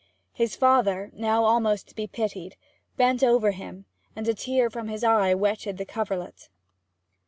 His father, now almost to be pitied, bent over him, and a tear from his eye wetted the coverlet.